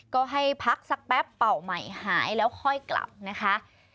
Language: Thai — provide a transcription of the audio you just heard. ก็ให้พักสักแป๊บเป่าใหม่หายแล้วค่อยกลับนะคะ